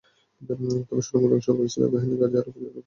তবে সুড়ঙ্গ ধ্বংসের পরও ইসরায়েলি বাহিনী গাজায় আরও কিছুদিন থাকতে পারে।